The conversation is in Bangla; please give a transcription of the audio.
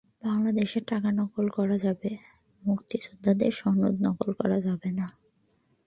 বাংলাদেশে টাকা নকল করা যাবে, মুক্তিযোদ্ধা সনদ নকল করা যাবে না।